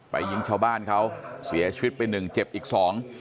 ยิงชาวบ้านเขาเสียชีวิตไปหนึ่งเจ็บอีกสอง